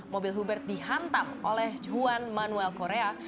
mobil hubert dihantam oleh juan manuel korea